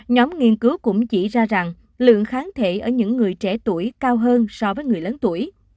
nhóm nghiên cứu cũng chỉ ra rằng lượng kháng thể ở những người trẻ tuổi cao hơn so với người lớn tuổi